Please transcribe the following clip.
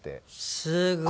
すごい！